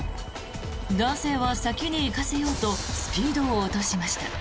男性は先に行かせようとスピードを落としました。